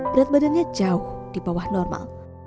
berat badannya jauh di bawah normal